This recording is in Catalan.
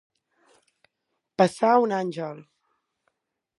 Passar un àngel.